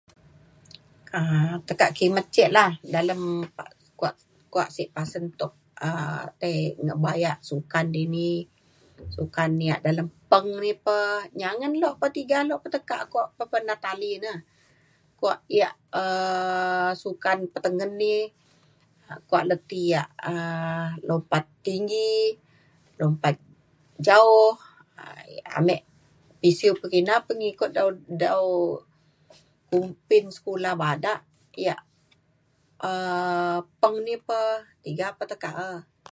um tekak kimet ce' la dalem kuak kuak sik pasen tok um tai ngebayak sukan dini sukan ya' dalem peng ri pe nyangen lok pe tiga lok ka kok pepenat tali ne kuak ya' um sukan petengen ni kuak le ti ya' um lompat tinggi, lompat jauh, um amik pisiu pekina pengikut dau dau kumpin sekolah badak ya' um peng ni pe tiga pe tekak e.